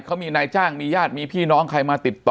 เขามีนายจ้างมีญาติมีพี่น้องใครมาติดต่อ